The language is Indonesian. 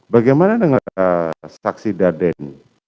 bagaimana dengan saksi darden